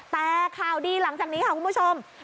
แต่ข่าวดีหลังจากนี้ค่ะคุณผู้ชม